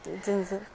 全然。